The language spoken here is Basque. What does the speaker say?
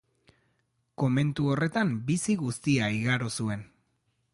Komentu horretan bizi guztia igaro zuen.